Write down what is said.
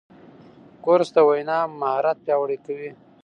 کورس د وینا مهارت پیاوړی کوي.